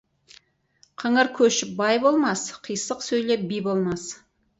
Қыңыр көшіп бай болмас, қисық сөйлеп би болмас.